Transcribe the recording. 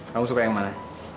kamu suka yang mana